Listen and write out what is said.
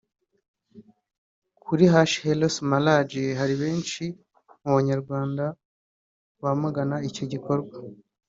Kuri ‘#HelloSmaragde’ hari benshi mu Banyarwanda bamagana icyo gikorwa